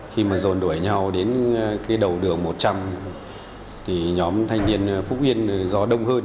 khi mà rồn đuổi nhau đến cái đầu đường một trăm linh thì nhóm thanh niên phúc yên gió đông hơn